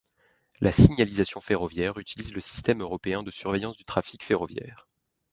La signalisation ferroviaire utilise le système européen de surveillance du trafic ferroviaire.